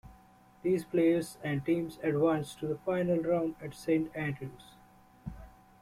These players and teams advance to the final round at Saint Andrews.